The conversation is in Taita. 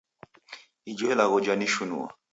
Ijo ilagho janishunua